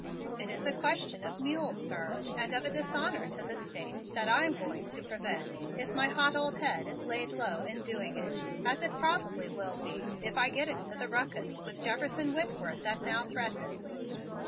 "It is a question of mules, sir, and of a dishonor to the State that I'm going to prevent if my hot old head is laid low in doing it, as it probably will be if I get into the ruckus with Jefferson Whitworth that now threatens.